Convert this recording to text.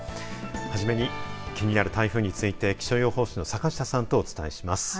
初めに気になる台風について気象予報士の坂下さんとお伝えします。